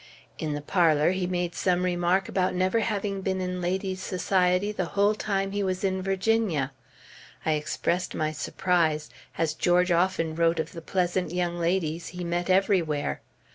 In the parlor, he made some remark about never having been in ladies' society the whole time he was in Virginia. I expressed my surprise, as George often wrote of the pleasant young ladies he met everywhere.